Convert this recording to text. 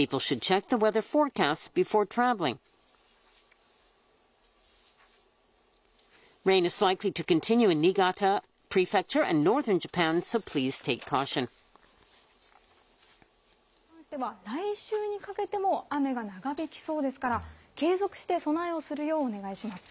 また新潟県や北日本に関しては、来週にかけても雨が長引きそうですから、継続して備えをするようお願いします。